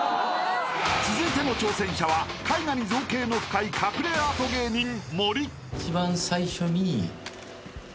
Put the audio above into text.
［続いての挑戦者は絵画に造詣の深い隠れアート芸人森］